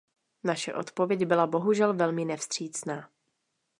Naše odpověď byla bohužel velmi nevstřícná.